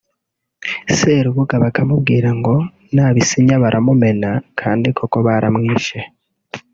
Serubuga bakamubwira ngo nabisinya baramumena kandi koko baramwishe